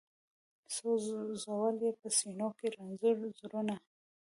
خو ځول یې په سینو کي رنځور زړونه